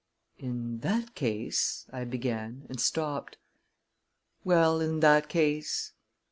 "In that case " I began, and stopped. "Well, in that case?"